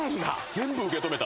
全部受け止めた。